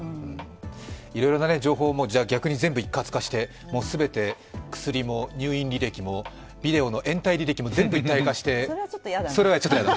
いろいろな情報も、逆に全部一括化して、全て、薬も、入院履歴も、ビデオの延滞履歴も全部一体化して。